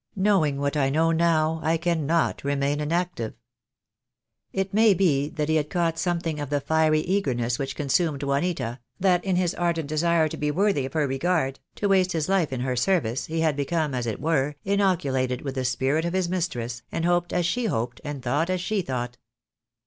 "Knowing what I know now, I cannot remain inactive." It may be that he had caught something of the fiery eagerness which consumed Juanita, that in his ardent desire to be worthy of her regard, to waste his life in her service, he had become, as it were, inoculated with the spirit of his mistress, and hoped as she hoped, and thought as she thought.